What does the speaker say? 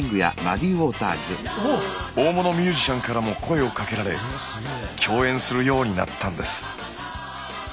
大物ミュージシャンからも声をかけられ共演するようになったんです。